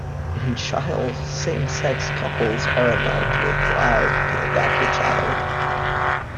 In Chile, same-sex couples are allowed to apply to adopt a child.